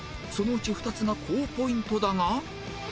そのうち２つが高ポイントだが